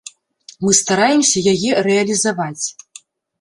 Мы стараемся яе рэалізаваць.